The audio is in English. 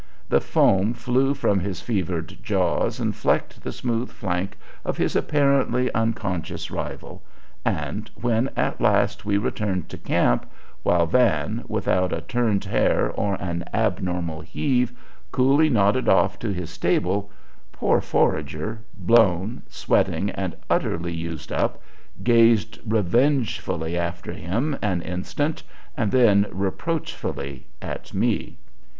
The foam flew from his fevered jaws and flecked the smooth flank of his apparently unconscious rival; and when at last we returned to camp, while Van, without a turned hair or an abnormal heave, coolly nodded off to his stable, poor Forager, blown, sweating, and utterly used up, gazed revengefully after him an instant and then reproachfully at me.